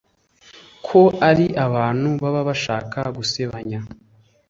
ko ari abantu baba bashaka gusebanya